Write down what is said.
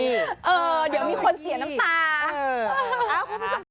เดี๋ยวมีคนเสียน้ำตา